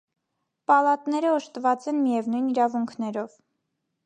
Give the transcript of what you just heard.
Պալատները օժտված են միևնույն իրավունքներով։